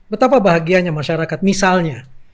betapa bahagianya masyarakat misalnya